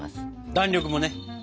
弾力もね。